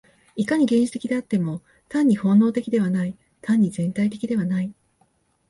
いかに原始的であっても、単に本能的ではない、単に全体的ではない。